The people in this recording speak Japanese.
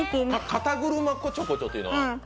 肩車こちょこちょというのは？